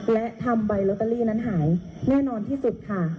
และทำใบลอตเตอรี่นั้นหายแน่นอนที่สุดค่ะ